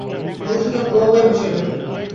মধুসূদন গোঁ হয়ে বসে রইল।